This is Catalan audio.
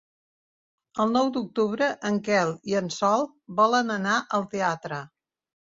El nou d'octubre en Quel i en Sol volen anar al teatre.